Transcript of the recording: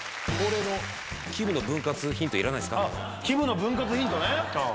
きむの分割ヒントね。